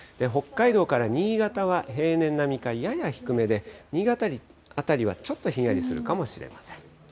北海道から新潟は平年並みかやや低めで、新潟辺りは、ちょっとひんやりするかもしれません。